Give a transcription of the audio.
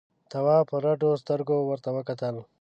تواب په رډو سترګو ورته وکتل.